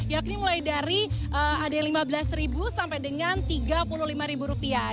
yakni mulai dari ada yang lima belas sampai dengan tiga puluh lima rupiah